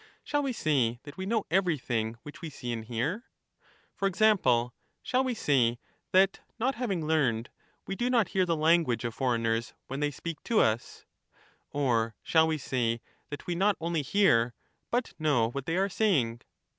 Shall we say that we know every thing which we see We know and hear? for example, shall we say that not having learned, ][2d h«u T* we do not hear the language of foreigners when they speak but we sec to us ? or shall we say that we not only hear, but know what ^1^^^^" they are saying?